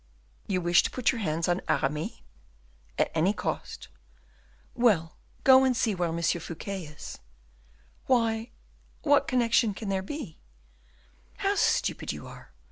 "You wish to put your hands on Aramis?" "At any cost!" "Well, go and see where M. Fouquet is." "Why, what connection can there be " "How stupid you are!